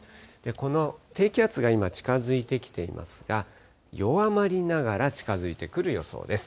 この低気圧が今、近づいてきていますが、弱まりながら近づいてくる予想です。